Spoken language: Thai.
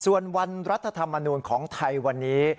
ส่วนวันรัฐธรรมนูลของไทยวันนี้